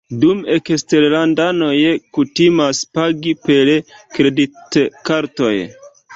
Dume eksterlandanoj kutimas pagi per kreditkartoj.